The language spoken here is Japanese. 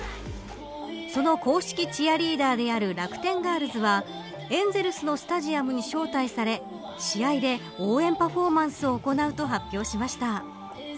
その公式チアリーダーである楽天ガールズはエンゼルスのスタジアムに招待され試合で応援パフォーマンスを行うと発表しました。